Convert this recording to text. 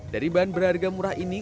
dari bahan berharga murah ini